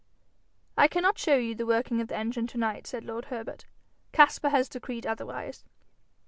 'I cannot show you the working of the engine to night,' said lord Herbert. 'Caspar has decreed otherwise.'